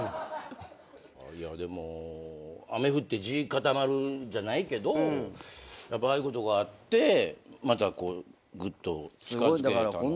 いやでも「雨降って地固まる」じゃないけどやっぱああいうことがあってまたこうぐっと近づけれた。